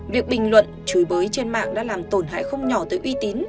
việc bình luận chửi bới trên mạng đã làm tổn hại không nhỏ tới uy tín